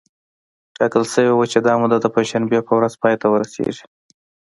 ټاکل شوې وه چې دا موده د پنجشنبې په ورځ پای ته ورسېږي